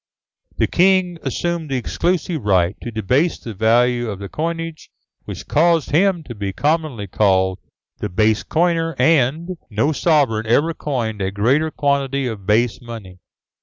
The king assumed the exclusive right to debase the value of the coinage, which caused him to be commonly called the base coiner, and no sovereign ever coined a greater quantity of base money.